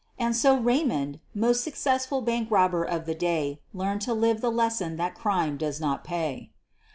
And so Eaymond, most " successful' ' bank robber of the day, lived to learn the lesson that crime does not pay.